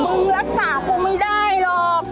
มึงรักษาคงไม่ได้หรอก